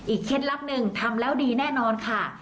เคล็ดลับหนึ่งทำแล้วดีแน่นอนค่ะ